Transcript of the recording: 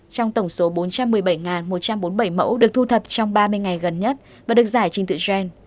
trong tổng số bốn trăm một mươi bảy một trăm bốn mươi bảy mẫu được thu thập trong ba mươi ngày gần nhất và được giải trình tự gen